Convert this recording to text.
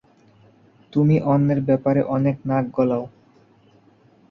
তুমি অন্যের ব্যাপারে অনেক নাক গলাও।